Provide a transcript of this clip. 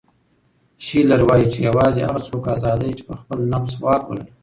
شیلر وایي چې یوازې هغه څوک ازاد دی چې په خپل نفس واک ولري.